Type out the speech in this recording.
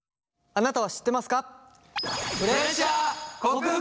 あなたは知ってますか？